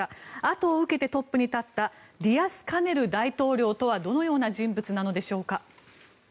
後を受けてトップに立ったディアスカネル大統領とはどのような人物なのでしょうか。